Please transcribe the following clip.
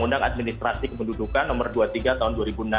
undang administrasi kependudukan nomor dua puluh tiga tahun dua ribu enam belas